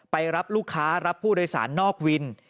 ไปรับลูกค้ารับผู้โดยสารนอกวิน